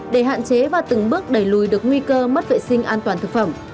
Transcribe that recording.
để hạn chế và từng bước đẩy lùi được nguy cơ mất vệ sinh an toàn thực phẩm